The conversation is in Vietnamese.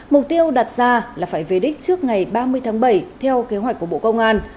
mục tiêu đặt ra là phải về đích trước ngày ba mươi tháng bảy theo kế hoạch của bộ công an